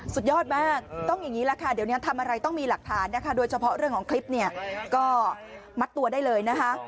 สุดยอดมากต้องอย่างนี้แหละค่ะเดี๋ยวนี้ทำอะไรต้องมีหลักฐานนะคะโดยเฉพาะเรื่องของคลิปเนี่ยก็มัดตัวได้เลยนะคะ